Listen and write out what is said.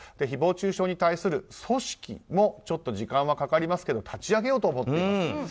誹謗中傷に対する組織もちょっと時間はかかりますけど立ち上げようと思っています。